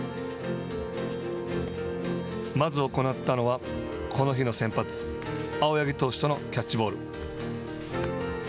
まず行ったのはこの日の先発青柳投手とのキャッチボール。